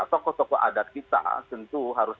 tokoh tokoh adat kita tentu harus